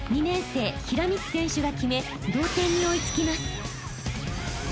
年生平光選手が決め同点に追い付きます］